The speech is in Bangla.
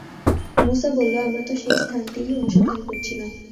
মূসা বলল, আমরা তো সেই স্থানটিরই অনুসন্ধান করছিলাম।